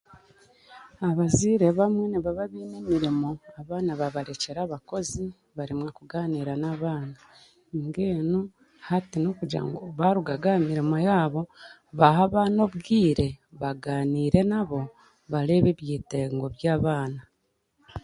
Abazaire bamwe nibaba baine emirimo, abaana babarekyera abakozi baremwa kugaaniira n'abaana. Mbwenu hati nokugira ngu baaragaga aha mirimo yaabo bahe abaana obwire baagaaniire nabo bareebe ebyetengo by'abaana